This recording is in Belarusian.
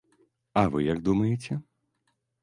А вы як думаеце?